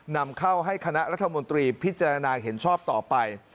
นำเข้าให้คณะรัฐมนตรีพิจารณาเห็นชอบต่อไป